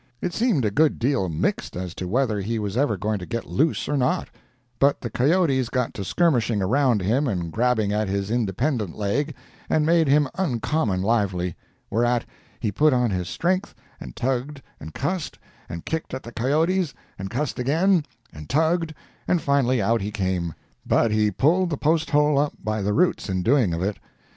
It seemed a good deal mixed as to whether he was ever going to get loose or not; but the coyotes got to skirmishing around him and grabbing at his independent leg, and made him uncommon lively. Whereat, he put on his strength, and tugged and cussed, and kicked at the coyotes, and cussed again, and tugged, and finally, out he came—but he pulled the post hole up by the roots in doing of it.